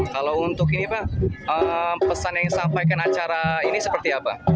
kalau untuk ini pak pesan yang disampaikan acara ini seperti apa